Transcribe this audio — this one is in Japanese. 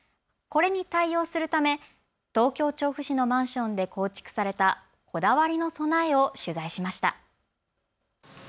これに対応するため東京調布市のマンションで構築されたこだわりの備えを取材しました。